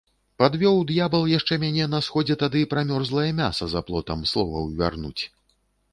Падвёў д'ябал яшчэ мяне на сходзе тады пра мёрзлае мяса за плотам слова ўвярнуць.